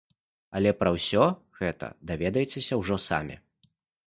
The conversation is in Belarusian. Але пра ўсё гэта даведаецеся ўжо самі!